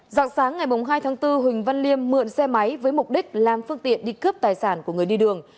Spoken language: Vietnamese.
dạng sáng ngày hai tháng bốn huỳnh văn liêm mượn xe máy với mục đích làm phương tiện đi cướp tài sản của người đi đường